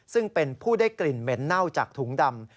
ซึ่งเป็นผู้ได้กลิ่นเหม็นเน่าจากถุงดำ